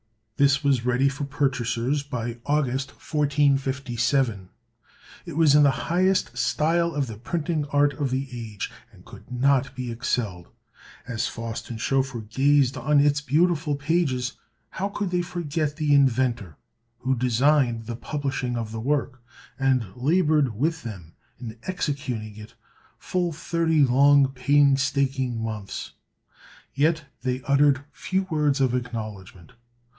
This was ready for purchasers by August 1457. It was in the highest style of the printing art of the age, and could not be excelled. As Faust and Schoeffer gazed on its beautiful pages, how could they forget the inventor who designed the publishing of the work, and labored with them in executing it full thirty long painstaking months! Yet they uttered few words of acknowledgment.